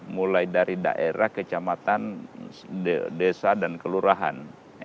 mulai dari daerah kecamatan desa dan kelurahan